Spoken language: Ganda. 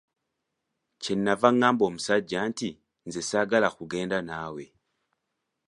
Kye nnava ngamba omusajja nti, nze saagala kugenda naawe.